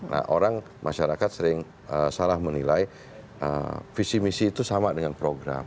nah orang masyarakat sering salah menilai visi misi itu sama dengan program